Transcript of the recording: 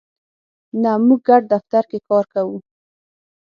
نه، موږ ګډ دفتر کی کار کوو